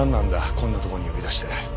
こんな所に呼び出して。